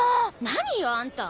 何よあんた。